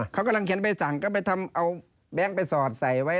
เขากำลังเขียนใบสั่งก็ไปทำเอาแบงค์ไปสอดใส่ไว้